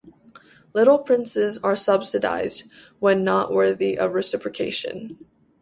Little princes are subsidized, when not worthy of reciprocation.